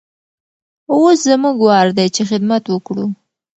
اوس زموږ وار دی چې خدمت وکړو.